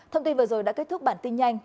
thông tin vừa rồi đã kết thúc bản tin nhanh